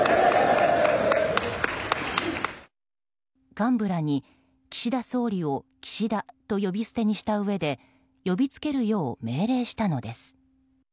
幹部らに岸田総理を岸田と呼び捨てにしたうえで呼びつけるよう命令したのです。